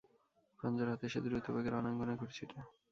খঞ্জর হাতে সে দ্রুতবেগে রণাঙ্গনে ঘুরছিল।